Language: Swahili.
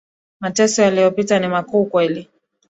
Mateso aliyopitia ni makuu ukweli